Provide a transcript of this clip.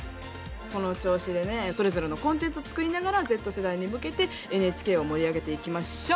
この調子でねそれぞれのコンテンツを作りながらＺ世代に向けてＮＨＫを盛り上げていきましょう。